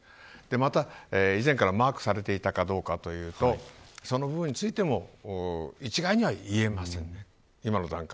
また以前からマークされていたかというとその部分についても一概には言えません。